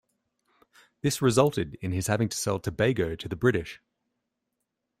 This resulted in his having to sell Tobago to the British.